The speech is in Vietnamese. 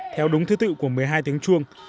theo đúng thứ tự của một mươi hai tiếng chuông